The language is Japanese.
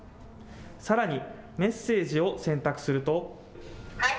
さらにメッセージを選択すると。